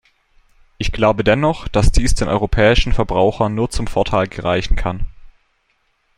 Ich glaube dennoch, dass dies den europäischen Verbrauchern nur zum Vorteil gereichen kann.